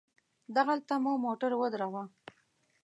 دغلته مو موټر ودراوه.